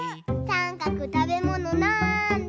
さんかくたべものなんだ？